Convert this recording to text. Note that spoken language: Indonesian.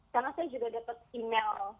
karena saya juga dapat email